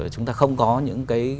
chúng ta không có những cái